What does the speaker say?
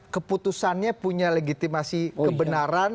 keputusannya punya legitimasi kebenaran